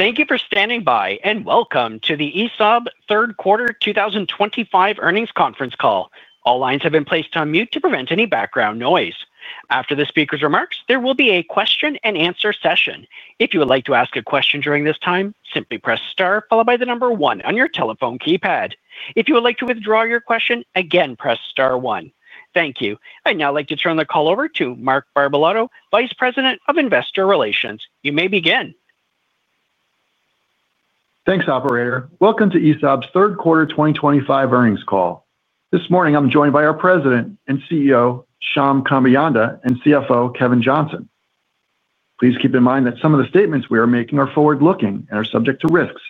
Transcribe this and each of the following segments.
Thank you for standing by and welcome to the ESAB Third Quarter 2025 Earnings Conference Call. All lines have been placed on mute to prevent any background noise. After the speaker's remarks, there will be a question and answer session. If you would like to ask a question during this time, simply press star followed by the number one on your telephone keypad. If you would like to withdraw your question, again press star one. Thank you. I'd now like to turn the call over to Mark Barbalato, Vice President of Investor Relations. You may begin. Thanks, Operator. Welcome to ESAB's Third Quarter 2025 Earnings Call. This morning, I'm joined by our President and CEO, Shyam Kambeyanda, and CFO, Kevin Johnson. Please keep in mind that some of the statements we are making are forward-looking and are subject to risks,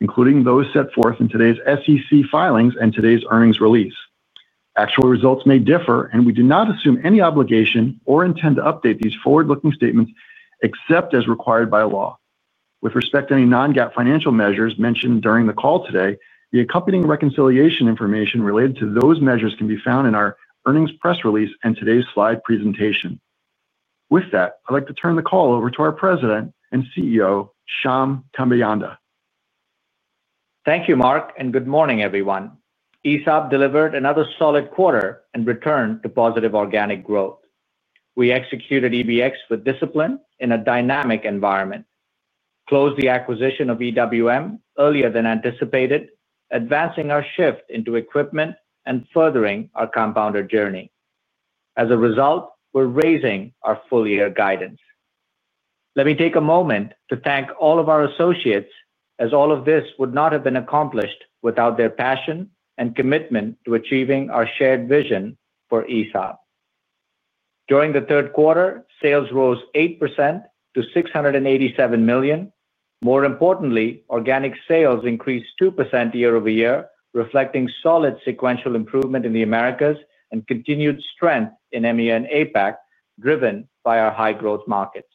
including those set forth in today's SEC filings and today's earnings release. Actual results may differ, and we do not assume any obligation or intend to update these forward-looking statements except as required by law. With respect to any non-GAAP financial measures mentioned during the call today, the accompanying reconciliation information related to those measures can be found in our earnings press release and today's slide presentation. With that, I'd like to turn the call over to our President and CEO, Shyam Kambeyanda. Thank you, Mark, and good morning, everyone. ESAB delivered another solid quarter and returned to positive organic growth. We executed EBX with discipline in a dynamic environment, closed the acquisition of EWM earlier than anticipated, advancing our shift into equipment and furthering our compounder journey. As a result, we're raising our full-year guidance. Let me take a moment to thank all of our associates, as all of this would not have been accomplished without their passion and commitment to achieving our shared vision for ESAB. During the third quarter, sales rose 8% to $687 million. More importantly, organic sales increased 2% year-over-year, reflecting solid sequential improvement in the Americas and continued strength in EMEA and APAC, driven by our high-growth markets.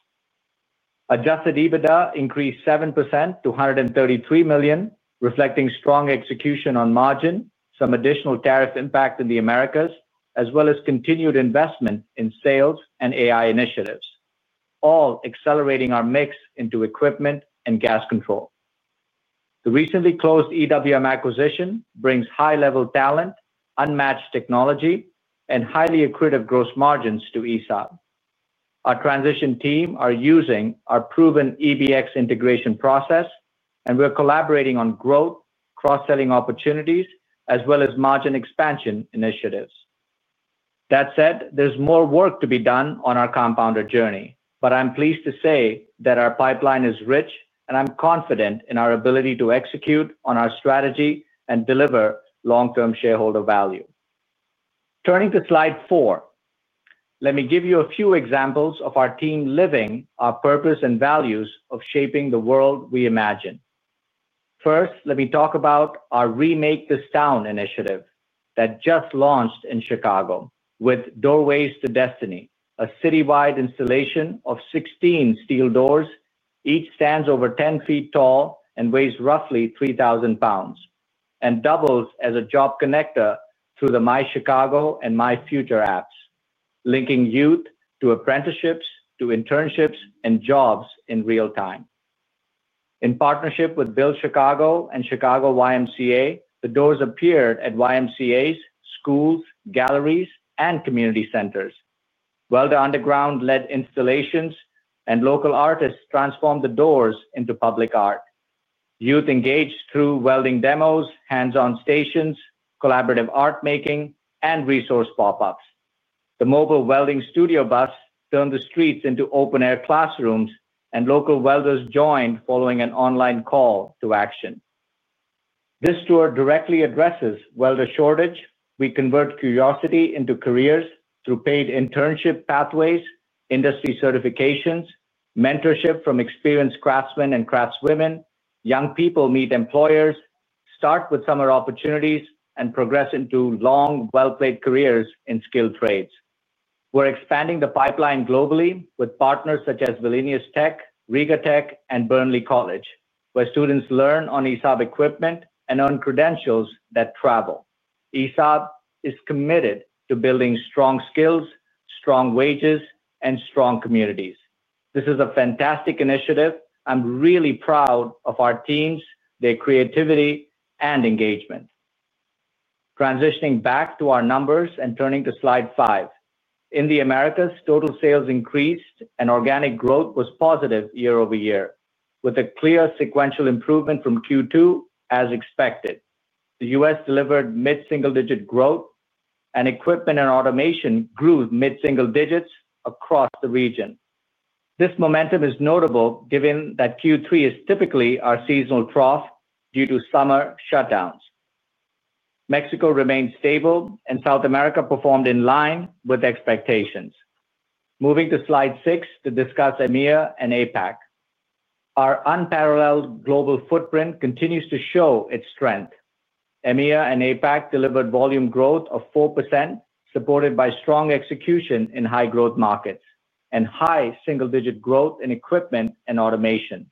Adjusted EBITDA increased 7% to $133 million, reflecting strong execution on margin, some additional tariff impact in the Americas, as well as continued investment in sales and AI initiatives, all accelerating our mix into equipment and gas control. The recently closed EWM acquisition brings high-level talent, unmatched technology, and highly accretive gross margins to ESAB. Our transition team is using our proven EBX integration process, and we're collaborating on growth, cross-selling opportunities, as well as margin expansion initiatives. That said, there's more work to be done on our compounder journey, but I'm pleased to say that our pipeline is rich, and I'm confident in our ability to execute on our strategy and deliver long-term shareholder value. Turning to slide four, let me give you a few examples of our team living our purpose and values of shaping the world we imagine. First, let me talk about our "Remake This Town" initiative that just launched in Chicago, with "Doorways to Destiny," a city-wide installation of 16 steel doors. Each stands over 10 feet tall and weighs roughly 3,000 pounds and doubles as a job connector through the MyChicago and MyFuture apps, linking youth to apprenticeships, to internships, and jobs in real time. In partnership with Build Chicago and Chicago YMCA, the doors appeared at YMCAs, schools, galleries, and community centers. Welder Underground led installations, and local artists transformed the doors into public art. Youth engaged through welding demos, hands-on stations, collaborative art making, and resource pop-ups. The mobile welding studio bus turned the streets into open-air classrooms, and local welders joined following an online call to action. This tour directly addresses welder shortage. We convert curiosity into careers through paid internship pathways, industry certifications, mentorship from experienced craftsmen and craftswomen. Young people meet employers, start with summer opportunities, and progress into long, well-placed careers in skilled trades. We're expanding the pipeline globally with partners such as Vilnius Tech, Riga Tech, and Burnley College, where students learn on ESAB equipment and earn credentials that travel. ESAB is committed to building strong skills, strong wages, and strong communities. This is a fantastic initiative. I'm really proud of our teams, their creativity, and engagement. Transitioning back to our numbers and turning to slide five. In the Americas, total sales increased, and organic growth was positive year-over-year, with a clear sequential improvement from Q2 as expected. The U.S. delivered mid-single-digit growth, and equipment and automation grew mid-single digits across the region. This momentum is notable given that Q3 is typically our seasonal trough due to summer shutdowns. Mexico remained stable, and South America performed in line with expectations. Moving to slide six to discuss EMEA and APAC. Our unparalleled global footprint continues to show its strength. EMEA and APAC delivered volume growth of 4%, supported by strong execution in high-growth markets and high single-digit growth in equipment and automation.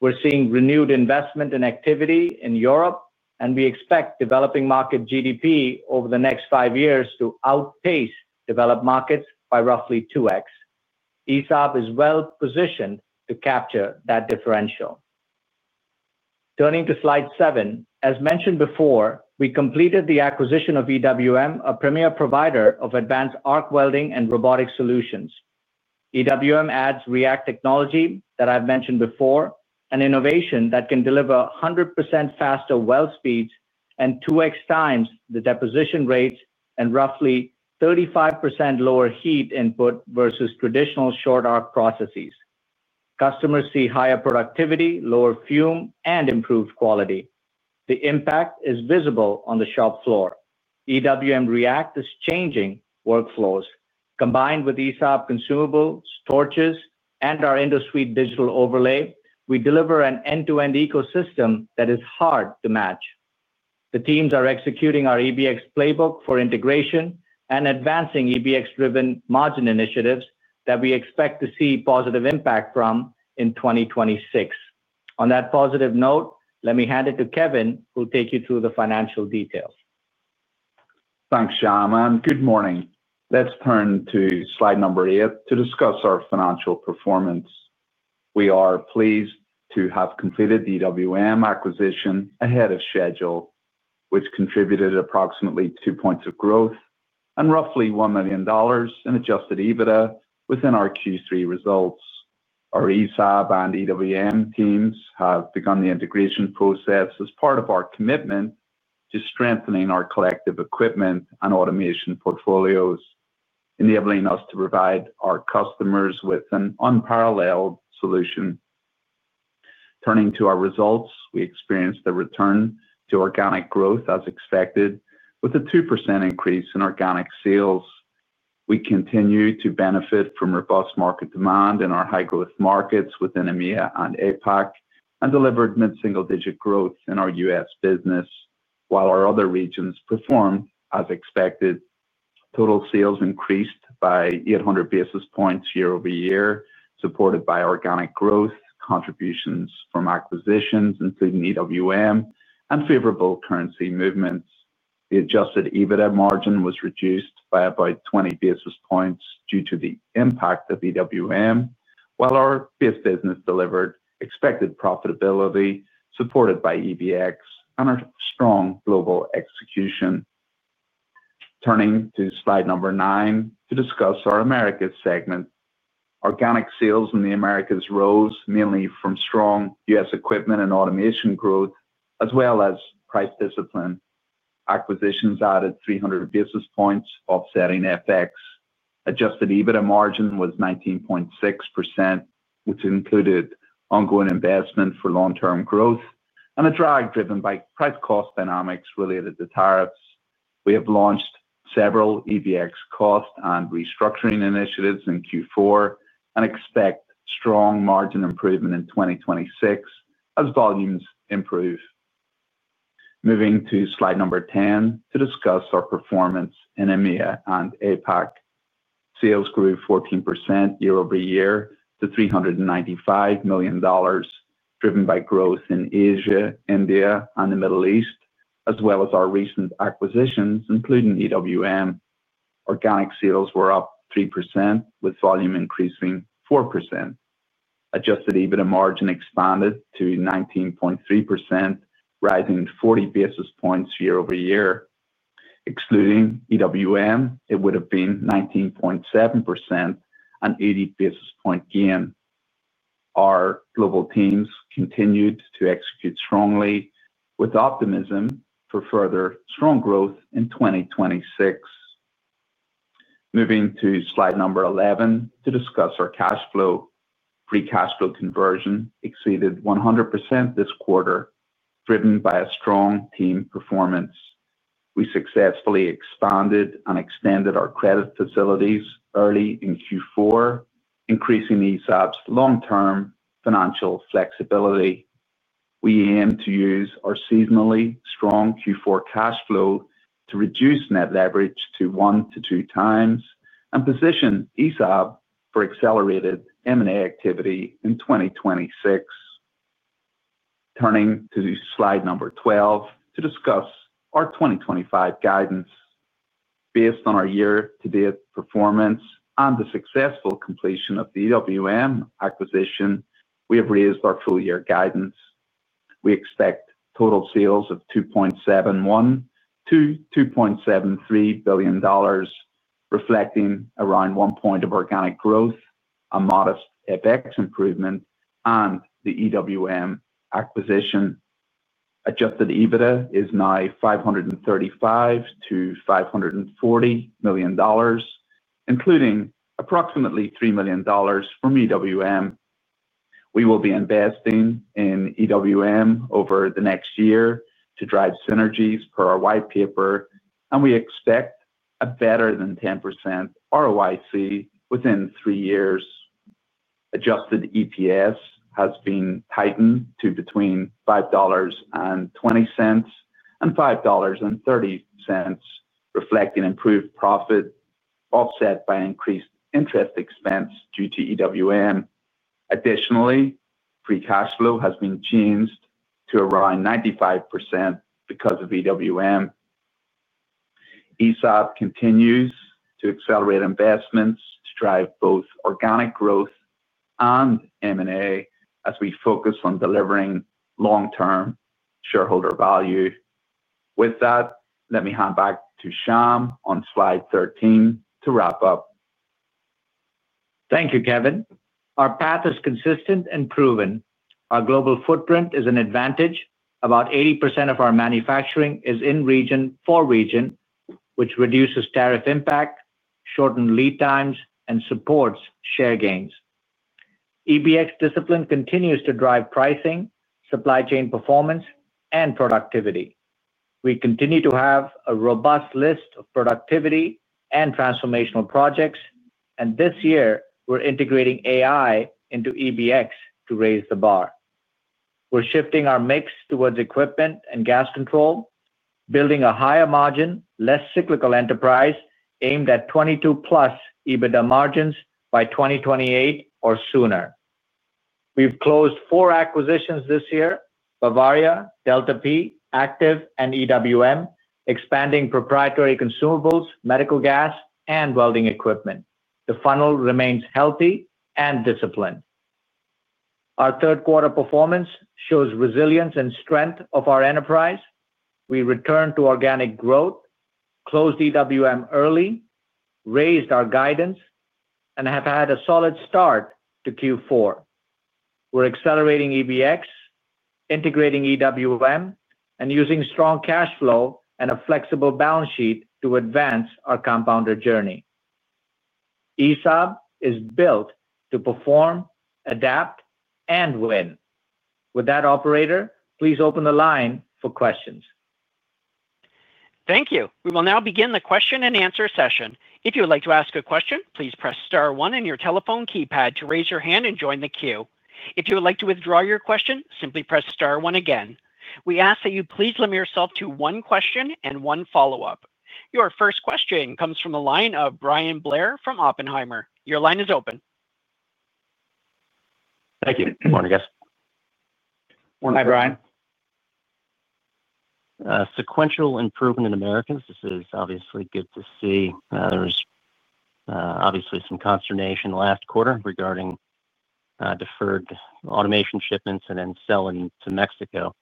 We're seeing renewed investment and activity in Europe, and we expect developing market GDP over the next five years to outpace developed markets by roughly 2x. ESAB is well-positioned to capture that differential. Turning to slide seven, as mentioned before, we completed the acquisition of EWM, a premier provider of advanced arc welding and robotic solutions. EWM adds React technology that I've mentioned before, an innovation that can deliver 100% faster weld speeds and 2x the deposition rates and roughly 35% lower heat input versus traditional short arc processes. Customers see higher productivity, lower fume, and improved quality. The impact is visible on the shop floor. EWM React is changing workflows. Combined with ESAB consumables, torches, and our end-of-suite digital overlay, we deliver an end-to-end ecosystem that is hard to match. The teams are executing our EBX playbook for integration and advancing EBX-driven margin initiatives that we expect to see positive impact from in 2026. On that positive note, let me hand it to Kevin, who will take you through the financial details. Thanks, Shyam, and good morning. Let's turn to slide number eight to discuss our financial performance. We are pleased to have completed the EWM acquisition ahead of schedule, which contributed approximately 2 points of growth and roughly $1 million in adjusted EBITDA within our Q3 results. Our ESAB and EWM teams have begun the integration process as part of our commitment to strengthening our collective equipment and automation portfolios, enabling us to provide our customers with an unparalleled solution. Turning to our results, we experienced a return to organic growth as expected, with a 2% increase in organic sales. We continue to benefit from robust market demand in our high-growth markets within EMEA and APAC and delivered mid-single-digit growth in our U.S. business, while our other regions performed as expected. Total sales increased by 800 basis points year-over-year, supported by organic growth, contributions from acquisitions including EWM, and favorable currency movements. The adjusted EBITDA margin was reduced by about 20 basis points due to the impact of EWM, while our fifth business delivered expected profitability, supported by EBX and our strong global execution. Turning to slide number nine to discuss our Americas segment. Organic sales in the Americas rose mainly from strong U.S. equipment and automation growth, as well as price discipline. Acquisitions added 300 basis points, offsetting FX. Adjusted EBITDA margin was 19.6%, which included ongoing investment for long-term growth and a drive driven by price-cost dynamics related to tariffs. We have launched several EBX cost and restructuring initiatives in Q4 and expect strong margin improvement in 2026 as volumes improve. Moving to slide number 10 to discuss our performance in EMEA and APAC. Sales grew 14% year-over-year to $395 million, driven by growth in Asia, India, and the Middle East, as well as our recent acquisitions, including EWM. Organic sales were up 3%, with volume increasing 4%. Adjusted EBITDA margin expanded to 19.3%, rising 40 basis points year-over-year. Excluding EWM, it would have been 19.7% and an 80 basis point gain. Our global teams continued to execute strongly with optimism for further strong growth in 2026. Moving to slide number 11 to discuss our cash flow. Free cash flow conversion exceeded 100% this quarter, driven by a strong team performance. We successfully expanded and extended our credit facilities early in Q4, increasing ESAB's long-term financial flexibility. We aim to use our seasonally strong Q4 cash flow to reduce net leverage to one to two times and position ESAB for accelerated M&A activity in 2026. Turning to slide number 12 to discuss our 2025 guidance. Based on our year-to-date performance and the successful completion of the EWM acquisition, we have raised our full-year guidance. We expect total sales of $2.71 billion-$2.73 billion, reflecting around 1% of organic growth, a modest FX improvement, and the EWM acquisition. Adjusted EBITDA is now $535 million-$540 million, including approximately $3 million from EWM. We will be investing in EWM over the next year to drive synergies per our white paper, and we expect a better than 10% ROIC within three years. Adjusted EPS has been tightened to between $5.20 and $5.30, reflecting improved profit offset by increased interest expense due to EWM. Additionally, free cash flow has been changed to around 95% because of EWM. ESAB continues to accelerate investments to drive both organic growth and M&A as we focus on delivering long-term shareholder value. With that, let me hand back to Shyam on slide 13 to wrap up. Thank you, Kevin. Our path is consistent and proven. Our global footprint is an advantage. About 80% of our manufacturing is in region for region, which reduces tariff impact, shortens lead times, and supports share gains. EBX discipline continues to drive pricing, supply chain performance, and productivity. We continue to have a robust list of productivity and transformational projects, and this year we're integrating AI into EBX to raise the bar. We're shifting our mix towards equipment and gas control, building a higher margin, less cyclical enterprise aimed at 22% plus EBITDA margins by 2028 or sooner. We've closed four acquisitions this year: Bavaria SchweißTechnik GmbH, Delta P, Aktiv, and EWM, expanding proprietary consumables, medical gas, and welding equipment. The funnel remains healthy and disciplined. Our third quarter performance shows resilience and strength of our enterprise. We returned to organic growth, closed EWM early, raised our guidance, and have had a solid start to Q4. We're accelerating EBX, integrating EWM, and using strong cash flow and a flexible balance sheet to advance our compounder journey. ESAB is built to perform, adapt, and win. With that, Operator, please open the line for questions. Thank you. We will now begin the question and answer session. If you would like to ask a question, please press star one on your telephone keypad to raise your hand and join the queue. If you would like to withdraw your question, simply press star one again. We ask that you please limit yourself to one question and one follow-up. Your first question comes from the line of Bryan Blair from Oppenheimer. Your line is open. Thank you. Morning, guys. Morning, Bryan. Hi Bryan. Sequential improvement in Americas, this is obviously good to see. There was obviously some consternation last quarter regarding deferred automation shipments and then selling to Mexico.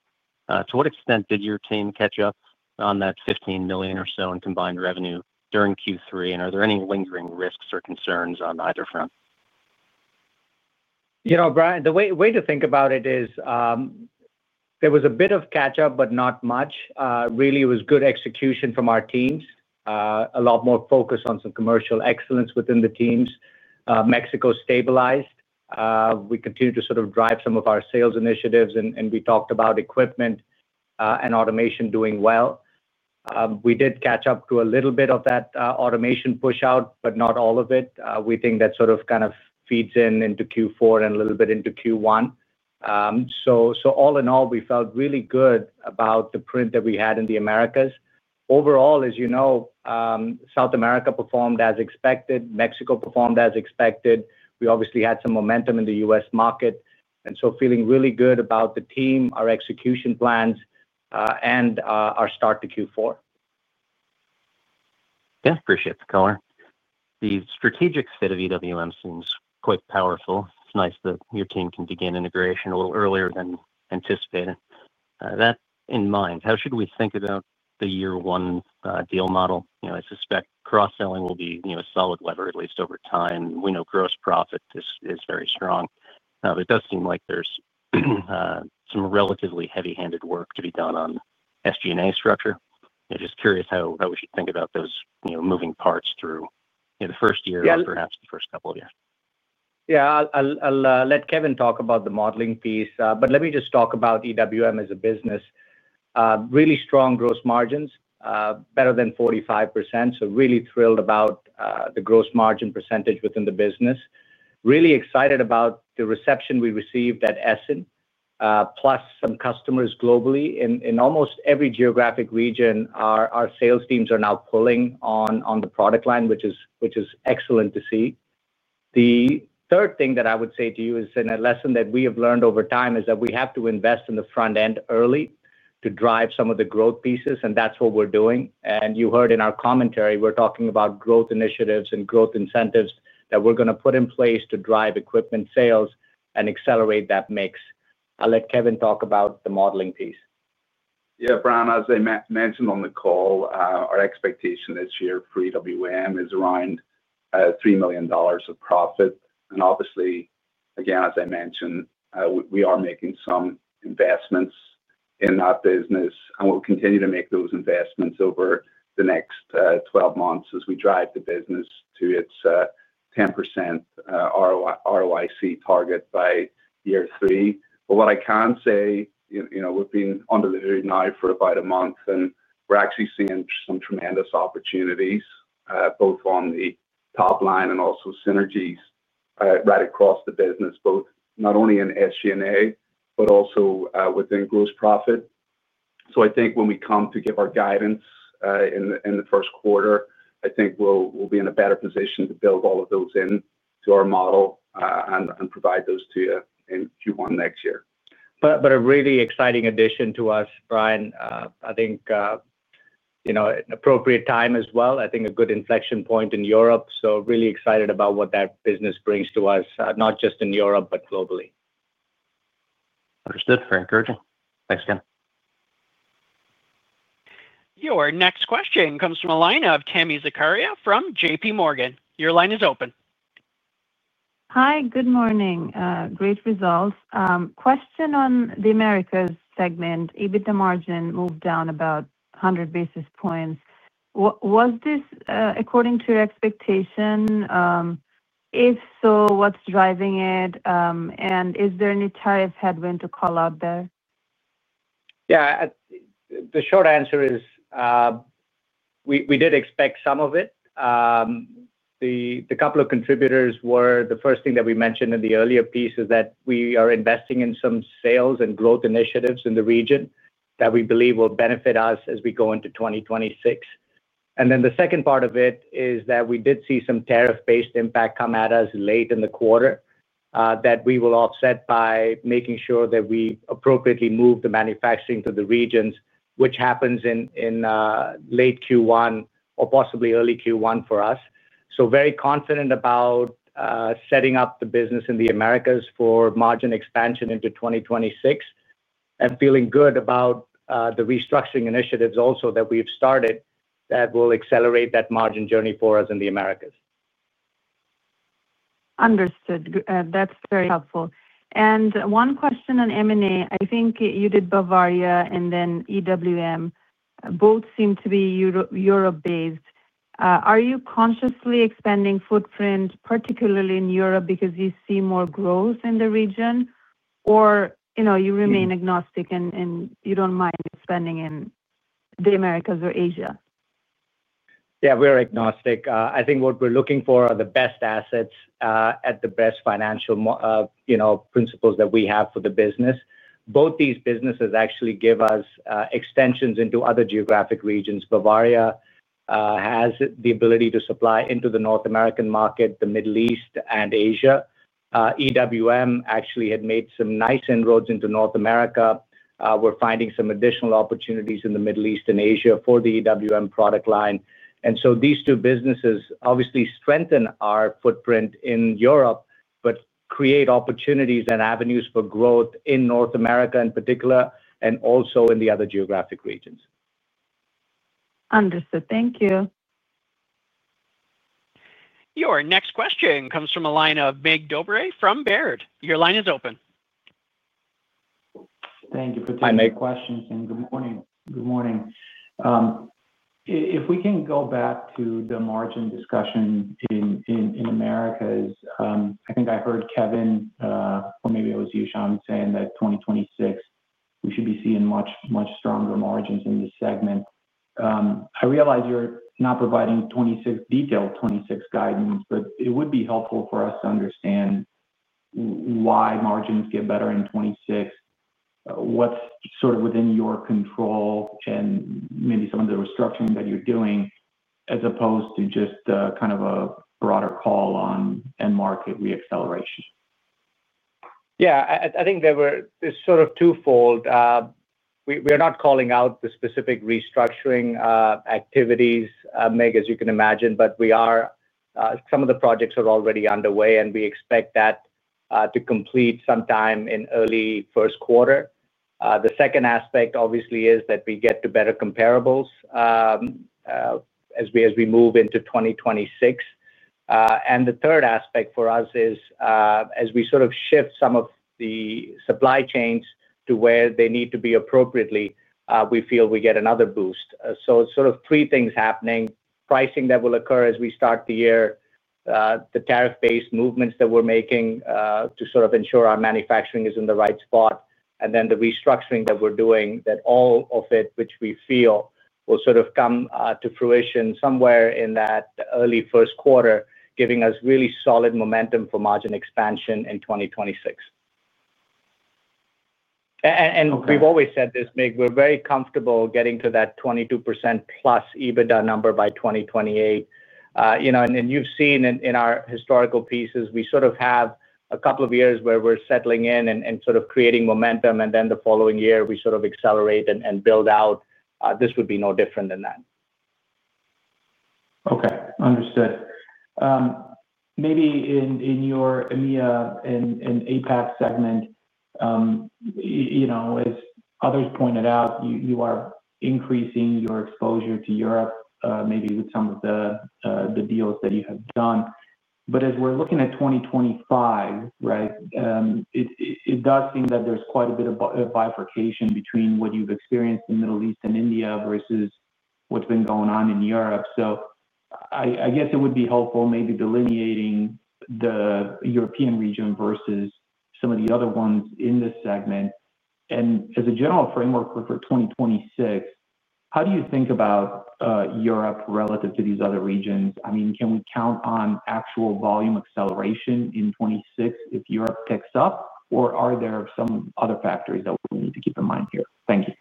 To what extent did your team catch up on that $15 million or so in combined revenue during Q3, and are there any lingering risks or concerns on either front? You know, Bryan, the way to think about it is there was a bit of catch-up, but not much. Really, it was good execution from our teams, a lot more focus on some commercial excellence within the teams. Mexico stabilized. We continue to sort of drive some of our sales initiatives, and we talked about equipment and automation doing well. We did catch up to a little bit of that automation push-out, but not all of it. We think that sort of kind of feeds in into Q4 and a little bit into Q1. All in all, we felt really good about the print that we had in the Americas. Overall, as you know, South America performed as expected. Mexico performed as expected. We obviously had some momentum in the U.S. market, and feeling really good about the team, our execution plans, and our start to Q4. Yeah, I appreciate the color. The strategic fit of EWM seems quite powerful. It's nice that your team can begin integration a little earlier than anticipated. That in mind, how should we think about the year-one deal model? You know, I suspect cross-selling will be a solid lever, at least over time. We know gross profit is very strong. It does seem like there's some relatively heavy-handed work to be done on SG&A structure. I'm just curious how we should think about those moving parts through the first year and perhaps the first couple of years. Yeah, I'll let Kevin talk about the modeling piece, but let me just talk about EWM as a business. Really strong gross margins, better than 45%, so really thrilled about the gross margin percentage within the business. Really excited about the reception we received at Essen, plus some customers globally. In almost every geographic region, our sales teams are now pulling on the product line, which is excellent to see. The third thing that I would say to you is a lesson that we have learned over time is that we have to invest in the front end early to drive some of the growth pieces, that's what we're doing. You heard in our commentary, we're talking about growth initiatives and growth incentives that we're going to put in place to drive equipment sales and accelerate that mix. I'll let Kevin talk about the modeling piece. Yeah, Bryan, as I mentioned on the call, our expectation this year for EWM is around $3 million of profit. Obviously, again, as I mentioned, we are making some investments in our business, and we'll continue to make those investments over the next 12 months as we drive the business to its 10% ROIC target by year three. What I can say, you know, we've been under the very knife for about a month, and we're actually seeing some tremendous opportunities both on the top line and also synergies right across the business, both not only in SG&A, but also within gross profit. I think when we come to give our guidance in the first quarter, I think we'll be in a better position to build all of those into our model and provide those to you in Q1 next year. A really exciting addition to us, Bryan. I think, you know, an appropriate time as well. I think a good inflection point in Europe. Really excited about what that business brings to us, not just in Europe, but globally. Understood. Very encouraging. Thanks again. Your next question comes from a line of Tami Zakaria from JPMorgan. Your line is open. Hi, good morning. Great results. Question on the Americas segment. EBITDA margin moved down about 100 basis points. Was this according to your expectation? If so, what's driving it? Is there any tariff headwind to call out there? Yeah, the short answer is we did expect some of it. The couple of contributors were the first thing that we mentioned in the earlier piece is that we are investing in some sales and growth initiatives in the region that we believe will benefit us as we go into 2026. The second part of it is that we did see some tariff-based impact come at us late in the quarter that we will offset by making sure that we appropriately move the manufacturing to the regions, which happens in late Q1 or possibly early Q1 for us. Very confident about setting up the business in the Americas for margin expansion into 2026 and feeling good about the restructuring initiatives also that we've started that will accelerate that margin journey for us in the Americas. Understood. That's very helpful. One question on M&A. I think you did Bavaria SchweißTechnik GmbH, and then EWM. Both seem to be Europe-based. Are you consciously expanding footprint, particularly in Europe, because you see more growth in the region, or do you remain agnostic and you don't mind expanding in the Americas or Asia? Yeah, we're agnostic. I think what we're looking for are the best assets at the best financial principles that we have for the business. Both these businesses actually give us extensions into other geographic regions. Bavaria SchweißTechnik GmbH has the ability to supply into the North American market, the Middle East, and Asia. EWM actually had made some nice inroads into North America. We're finding some additional opportunities in the Middle East and Asia for the EWM product line. These two businesses obviously strengthen our footprint in Europe, but create opportunities and avenues for growth in North America in particular and also in the other geographic regions. Understood. Thank you. Your next question comes from a line of Mircea Dobre from Baird. Your line is open. Thank you for taking my questions, and good morning. Good morning. If we can go back to the margin discussion in Americas, I think I heard Kevin, or maybe it was you, Shyam, saying that 2026 we should be seeing much, much stronger margins in this segment. I realize you're not providing detailed 2026 guidance, but it would be helpful for us to understand why margins get better in 2026, what's sort of within your control and maybe some of the restructuring that you're doing, as opposed to just kind of a broader call on end-market reacceleration. Yeah, I think there were sort of twofold. We are not calling out the specific restructuring activities, Mircea, as you can imagine, but some of the projects are already underway, and we expect that to complete sometime in early first quarter. The second aspect, obviously, is that we get to better comparables as we move into 2026. The third aspect for us is as we sort of shift some of the supply chains to where they need to be appropriately, we feel we get another boost. It's sort of three things happening: pricing that will occur as we start the year, the tariff-based movements that we're making to sort of ensure our manufacturing is in the right spot, and then the restructuring that we're doing, all of it, which we feel will sort of come to fruition somewhere in that early first quarter, giving us really solid momentum for margin expansion in 2026. We've always said this, Mircea, we're very comfortable getting to that 22%+ EBITDA number by 2028. You know, and you've seen in our historical pieces, we sort of have a couple of years where we're settling in and sort of creating momentum, and then the following year we sort of accelerate and build out. This would be no different than that. Okay, understood. Maybe in your EMEA and APAC segment, as others pointed out, you are increasing your exposure to Europe, maybe with some of the deals that you have done. As we're looking at 2025, it does seem that there's quite a bit of bifurcation between what you've experienced in the Middle East and India versus what's been going on in Europe. I guess it would be helpful maybe delineating the European region versus some of the other ones in this segment. As a general framework for 2026, how do you think about Europe relative to these other regions? I mean, can we count on actual volume acceleration in 2026 if Europe picks up, or are there some other factors that we need to keep in mind here? Thank you.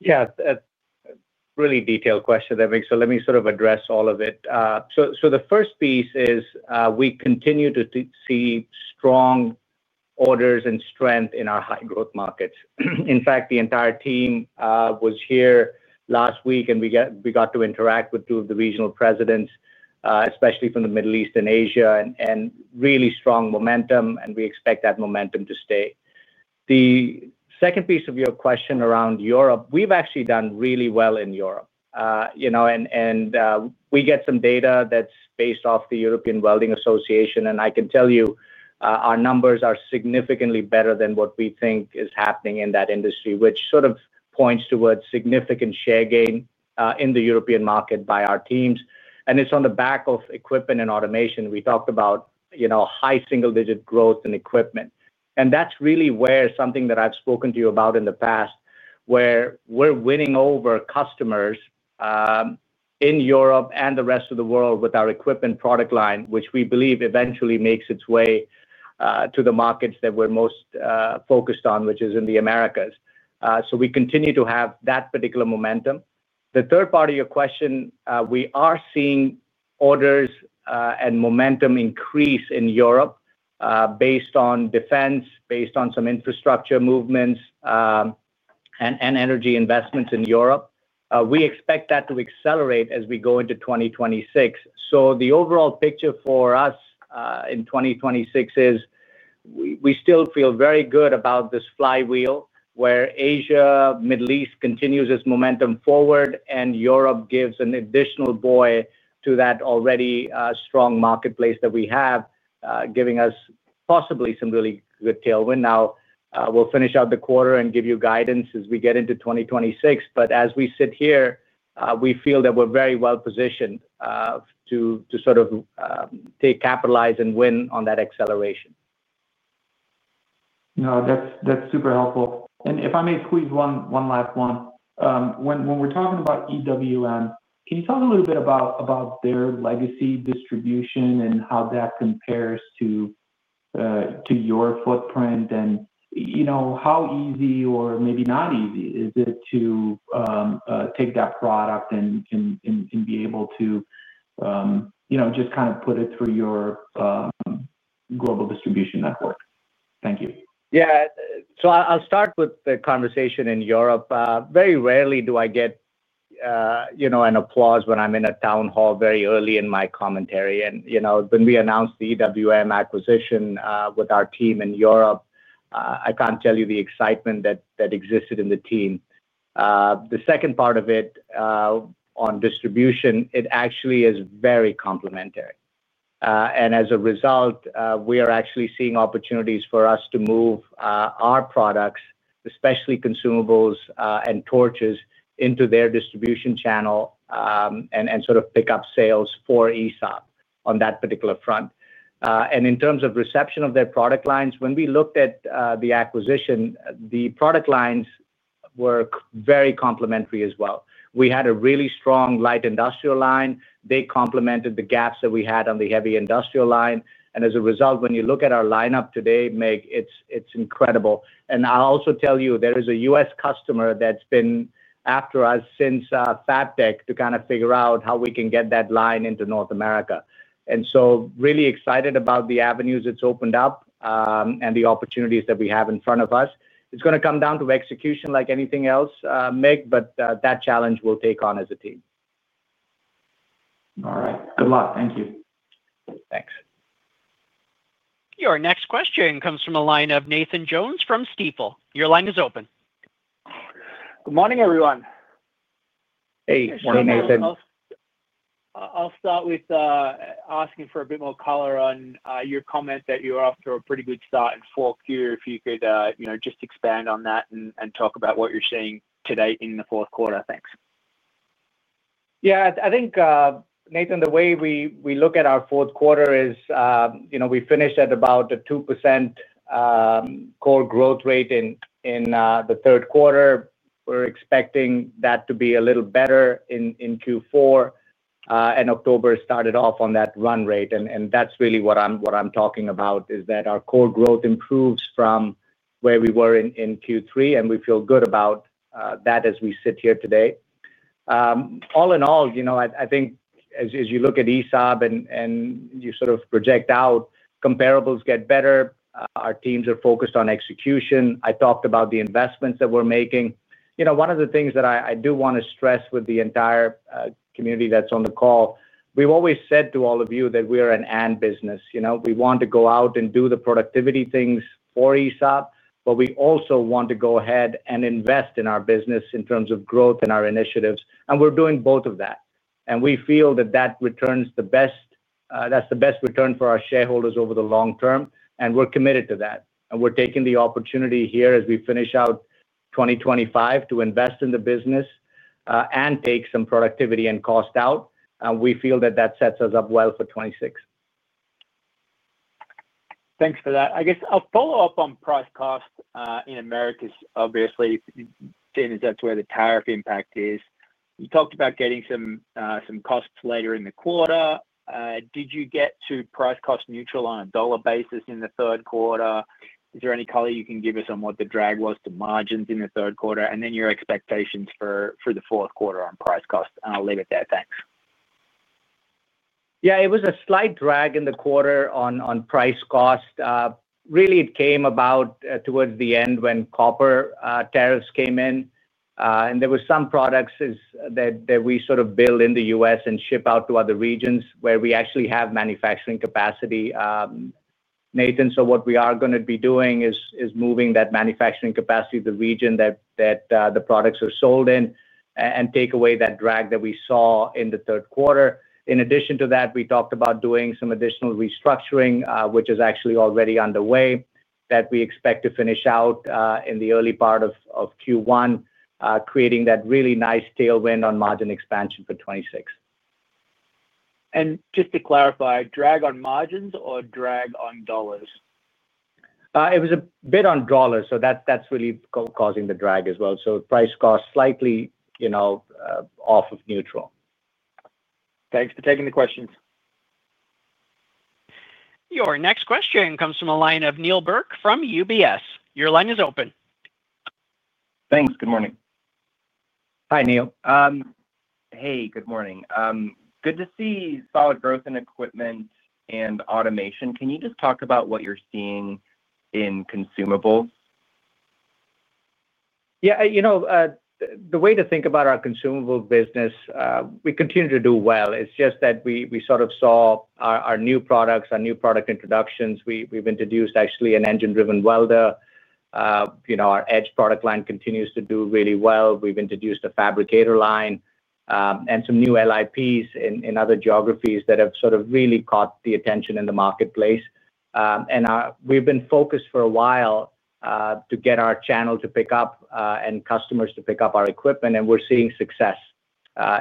Yeah, that's a really detailed question, that makes it. Let me sort of address all of it. The first piece is we continue to see strong orders and strength in our high-growth markets. In fact, the entire team was here last week, and we got to interact with two of the regional presidents, especially from the Middle East and Asia, and really strong momentum, and we expect that momentum to stay. The second piece of your question around Europe, we've actually done really well in Europe. You know, and we get some data that's based off the European Welding Association, and I can tell you our numbers are significantly better than what we think is happening in that industry, which sort of points towards significant share gain in the European market by our teams. It's on the back of equipment and automation. We talked about high single-digit growth in equipment. That's really where something that I've spoken to you about in the past, where we're winning over customers in Europe and the rest of the world with our equipment product line, which we believe eventually makes its way to the markets that we're most focused on, which is in the Americas. We continue to have that particular momentum. The third part of your question, we are seeing orders and momentum increase in Europe based on defense, based on some infrastructure movements, and energy investments in Europe. We expect that to accelerate as we go into 2026. The overall picture for us in 2026 is we still feel very good about this flywheel where Asia, Middle East continues its momentum forward, and Europe gives an additional buoy to that already strong marketplace that we have, giving us possibly some really good tailwind. We'll finish out the quarter and give you guidance as we get into 2026, but as we sit here, we feel that we're very well positioned to sort of take, capitalize, and win on that acceleration. No, that's super helpful. If I may squeeze one last one, when we're talking about EWM, can you tell us a little bit about their legacy distribution and how that compares to your footprint, and how easy or maybe not easy is it to take that product and be able to just kind of put it through your global distribution network? Thank you. Yeah, I'll start with the conversation in Europe. Very rarely do I get an applause when I'm in a town hall very early in my commentary. When we announced the EWM acquisition with our team in Europe, I can't tell you the excitement that existed in the team. The second part of it on distribution is very complementary. As a result, we are actually seeing opportunities for us to move our products, especially consumables and torches, into their distribution channel and pick up sales for ESAB on that particular front. In terms of reception of their product lines, when we looked at the acquisition, the product lines were very complementary as well. We had a really strong light industrial line. They complemented the gaps that we had on the heavy industrial line. As a result, when you look at our lineup today, Mircea, it's incredible. I'll also tell you, there is a U.S. customer that's been after us since Fabtech to figure out how we can get that line into North America. Really excited about the avenues it's opened up and the opportunities that we have in front of us. It's going to come down to execution like anything else, Mircea, but that challenge we'll take on as a team. All right. Good luck. Thank you. Thanks. Your next question comes from the line of Nathan Jones from Stifel. Your line is open. Good morning, everyone. Hey, good morning, Nathan. I'll start with asking for a bit more color on your comment that you're off to a pretty good start in the fourth quarter. If you could just expand on that and talk about what you're seeing today in the fourth quarter. Thanks. Yeah, I think, Nathan, the way we look at our fourth quarter is, you know, we finished at about the 2% core growth rate in the third quarter. We're expecting that to be a little better in Q4, and October started off on that run rate. That's really what I'm talking about, that our core growth improves from where we were in Q3, and we feel good about that as we sit here today. All in all, I think as you look at ESAB and you sort of project out, comparables get better. Our teams are focused on execution. I talked about the investments that we're making. One of the things that I do want to stress with the entire community that's on the call, we've always said to all of you that we are an "and" business. We want to go out and do the productivity things for ESAB, but we also want to go ahead and invest in our business in terms of growth and our initiatives. We're doing both of that, and we feel that that returns the best. That's the best return for our shareholders over the long term. We're committed to that. We're taking the opportunity here as we finish out 2025 to invest in the business and take some productivity and cost out. We feel that that sets us up well for 2026. Thanks for that. I guess I'll follow up on price cost in Americas, obviously, seeing as that's where the tariff impact is. You talked about getting some costs later in the quarter. Did you get to price cost neutral on a dollar basis in the third quarter? Is there any color you can give us on what the drag was to margins in the third quarter? Your expectations for the fourth quarter on price cost. I'll leave it there. Thanks. Yeah, it was a slight drag in the quarter on price cost. Really, it came about towards the end when copper tariffs came in. There were some products that we sort of build in the U.S. and ship out to other regions where we actually have manufacturing capacity. Nathan, what we are going to be doing is moving that manufacturing capacity to the region that the products are sold in and take away that drag that we saw in the third quarter. In addition to that, we talked about doing some additional restructuring, which is actually already underway, that we expect to finish out in the early part of Q1, creating that really nice tailwind on margin expansion for 2026. Just to clarify, drag on margins or drag on dollars? It was a bit on dollars, so that's really causing the drag as well. Price cost slightly, you know, off of neutral. Thanks for taking the questions. Your next question comes from a line of Neal Burk from UBS. Your line is open. Thanks. Good morning. Hi, Neal. Hey, good morning. Good to see solid growth in equipment and automation. Can you just talk about what you're seeing in consumables? Yeah, you know, the way to think about our consumable business, we continue to do well. It's just that we sort of saw our new products, our new product introductions. We've introduced actually an engine-driven welder. You know, our edge product line continues to do really well. We've introduced a fabricator line and some new LIPs in other geographies that have sort of really caught the attention in the marketplace. We've been focused for a while to get our channel to pick up and customers to pick up our equipment, and we're seeing success.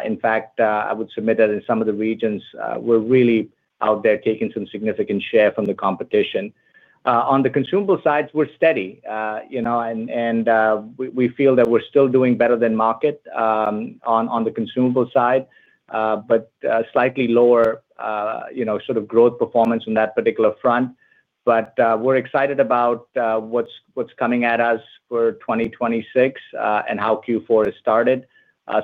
In fact, I would submit that in some of the regions, we're really out there taking some significant share from the competition. On the consumable side, we're steady, you know, and we feel that we're still doing better than market on the consumable side, but slightly lower, you know, sort of growth performance on that particular front. We're excited about what's coming at us for 2026 and how Q4 has started.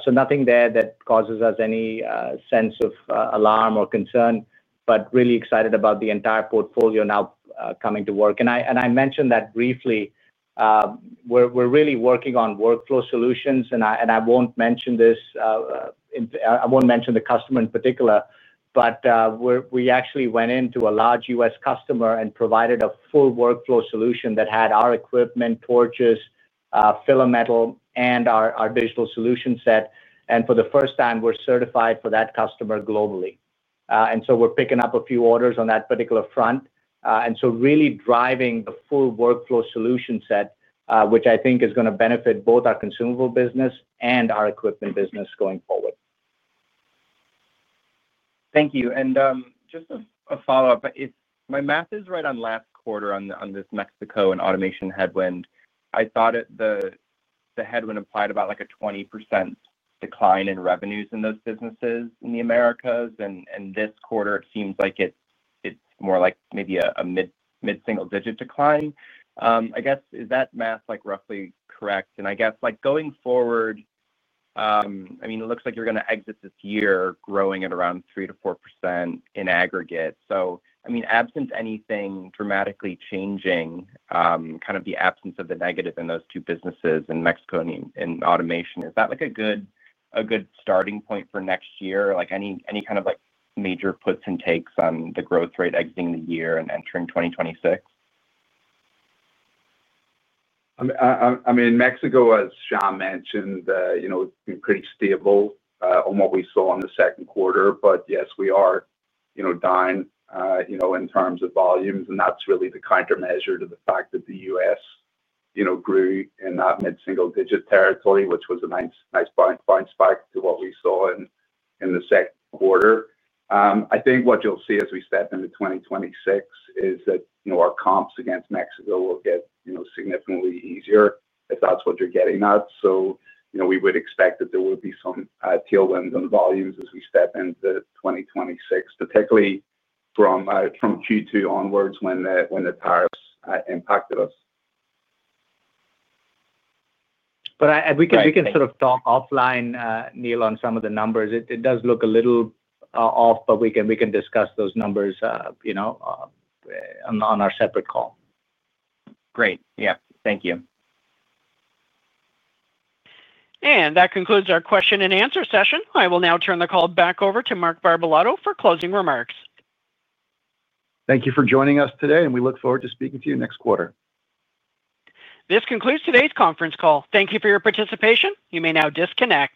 Nothing there that causes us any sense of alarm or concern, but really excited about the entire portfolio now coming to work. I mentioned that briefly. We're really working on workflow solutions. I won't mention the customer in particular, but we actually went into a large U.S. customer and provided a full workflow solution that had our equipment, torches, filler metal, and our digital solution set. For the first time, we're certified for that customer globally. We're picking up a few orders on that particular front and really driving the full workflow solution set, which I think is going to benefit both our consumable business and our equipment business going forward. Thank you. Just a follow-up. If my math is right on last quarter on this Mexico and automation headwind, I thought the headwind implied about a 20% decline in revenues in those businesses in the Americas, and this quarter it seems like it's more like maybe a mid-single-digit decline. I guess is that math roughly correct? Going forward, it looks like you're going to exit this year growing at around 3% to 4% in aggregate. Absent anything dramatically changing, kind of the absence of the negative in those two businesses, in Mexico and in automation, is that a good starting point for next year? Any kind of major puts and takes on the growth rate exiting the year and entering 2026? I mean, Mexico, as Shyam mentioned, it's been pretty stable on what we saw in the second quarter. Yes, we are, in terms of volumes, and that's really the countermeasure to the fact that the U.S. grew in that mid-single-digit territory, which was a nice bounce back to what we saw in the second quarter. I think what you'll see as we step into 2026 is that our comps against Mexico will get significantly easier if that's what you're getting at. We would expect that there would be some tailwinds on volumes as we step into 2026, particularly from Q2 onwards when the tariff impacts affected us. We can sort of talk offline, Neal, on some of the numbers. It does look a little off, but we can discuss those numbers on our separate call. Great, thank you. That concludes our question and answer session. I will now turn the call back over to Mark Barbalato for closing remarks. Thank you for joining us today, and we look forward to speaking to you next quarter. This concludes today's conference call. Thank you for your participation. You may now disconnect.